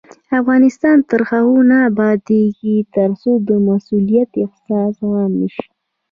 افغانستان تر هغو نه ابادیږي، ترڅو د مسؤلیت احساس عام نشي.